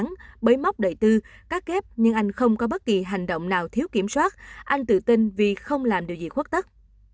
nhắn bấy móc đợi tư cắt kép nhưng anh không có bất kỳ hành động nào thiếu kiểm soát anh tự tin vì không làm điều gì khuất tất